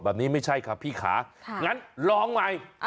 ไม่ใช่ครับพี่ขางั้นลองใหม่